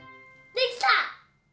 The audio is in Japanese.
できた！